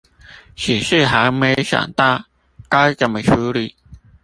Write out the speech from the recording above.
只是還沒想到該怎麼處理